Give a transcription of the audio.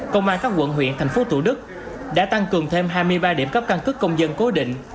công an các quận huyện thành phố thủ đức đã tăng cường thêm hai mươi ba điểm cấp căn cước công dân cố định